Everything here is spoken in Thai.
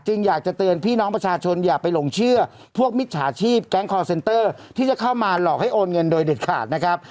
อยากจะเตือนพี่น้องประชาชนอย่าไปหลงเชื่อพวกมิจฉาชีพแก๊งคอร์เซ็นเตอร์ที่จะเข้ามาหลอกให้โอนเงินโดยเด็ดขาดนะครับ